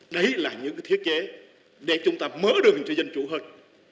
đấy là những thiết chế để chúng ta mở đường cho dân chủ hơn